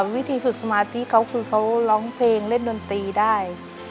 วิธีฝึกสมาธิเขาคือเขาร้องเพลงเล่นดนตรีได้